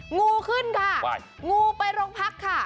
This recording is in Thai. งูขึ้นค่ะงูไปโรงพักค่ะ